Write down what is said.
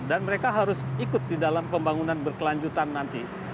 dan mereka harus ikut di dalam pembangunan berkelanjutan nanti